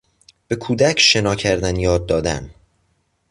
به کودک شنا کردن یاد دادن